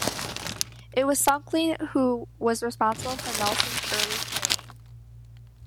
It was Suckling who was responsible for Nelson's early training.